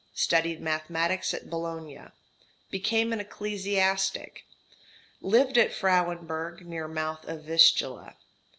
Studied mathematics at Bologna. Became an ecclesiastic. Lived at Frauenburg near mouth of Vistula.